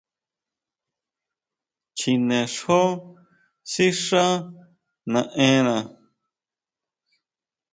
Chinexjó sixá naʼenna.